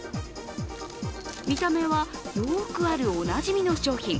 見た目はよくある、おなじみの商品。